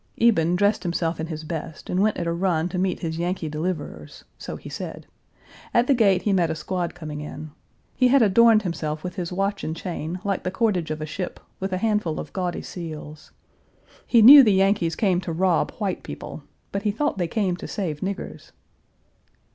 Eben dressed himself in his best and went at a run to meet his Yankee deliverers so he said. At the gate he met a squad coming in. He had adorned himself with his watch and chain, like the cordage of a ship, with a handful of gaudy seals. He knew the Yankees came to rob white people, but he thought they came to save niggers.